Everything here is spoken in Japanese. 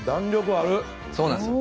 そうなんですよ。